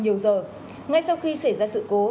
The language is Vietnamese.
nhiều giờ ngay sau khi xảy ra sự cố